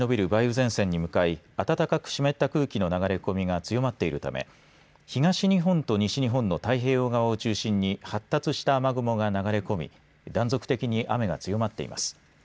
前線に向かい暖かく湿った空気の流れ込みが強まっているため東日本と西日本の太平洋側を中心に発達した雨雲が流れ込み断続的に雨が強まっています。